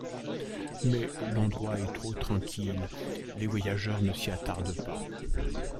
Mais l’endroit est trop tranquille, les voyageurs ne s’y attardent pas.